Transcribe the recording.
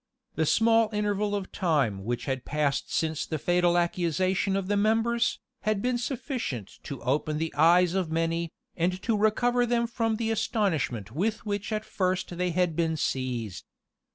The small interval of time which had passed since the fatal accusation of the members, had been sufficient to open the eyes of many, and to recover them from the astonishment with which at first they had been seized.